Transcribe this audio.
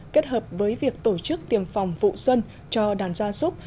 kết hợp với việc tổ chức tiêm phòng vụ dân cho đàn gia giúp